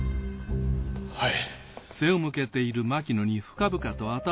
はい。